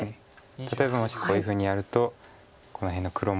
例えばもしこういうふうにやるとこの辺の黒模様が広がってくる。